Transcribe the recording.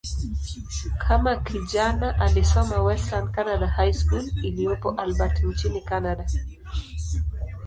Kama kijana, alisoma "Western Canada High School" iliyopo Albert, nchini Kanada.